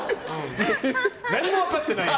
何も分かってない！